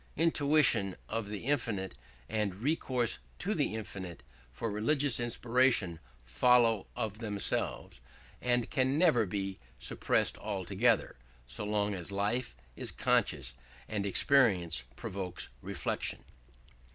Intuition of the infinite and recourse to the infinite for religious inspiration follow of themselves, and can never be suppressed altogether, so long as life is conscious and experience provokes reflection.